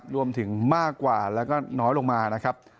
รวมถึงมากกว่าแล้วก็น้อยลงมานะครับ